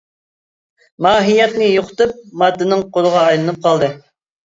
ماھىيەتنى يوقىتىپ ماددىنىڭ قۇلىغا ئايلىنىپ قالدى.